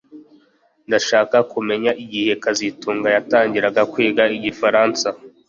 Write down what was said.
Ndashaka kumenya igihe kazitunga yatangiraga kwiga igifaransa